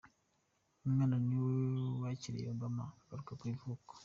Uyu mwana niwe wakiriye Obama agaruka ku ivuko.